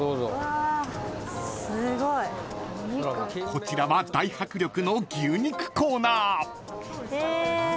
［こちらは大迫力の牛肉コーナー］え。